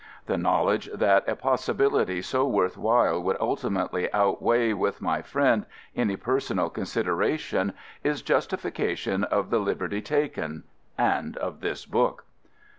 The knowledge that a possibility so worth while would ultimately outweigh with my friend any personal considera tion is justification of the liberty taken — and of this book.